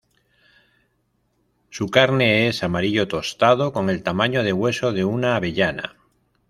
Su carne es amarillo tostado con el tamaño de hueso de una avellana.